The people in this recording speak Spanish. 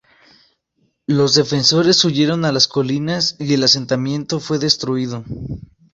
Los defensores huyeron a las colinas y el asentamiento fue destruido.